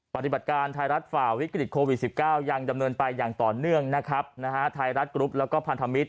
ปฏิบัติการไทยรัฐฝ่าวิกฤตโควิดสิบเก้ายังดำเนินไปอย่างต่อเนื่องนะครับนะฮะไทยรัฐกรุ๊ปแล้วก็พันธมิตร